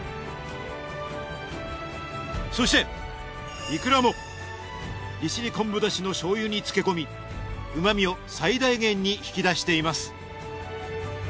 そしていくらも利尻昆布だしの醤油に漬け込み旨味を最大限に引き出しています。